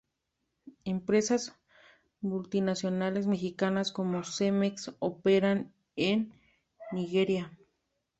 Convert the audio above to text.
Empresas multinacionales mexicanas como Cemex operan en Nigeria.